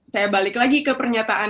saya balik lagi ke pernyataan